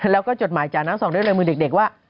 แล้วก็จดหมายจากน้ำสองด้วยในมือเด็กว่า